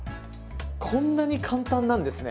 こんなに簡単なんですね。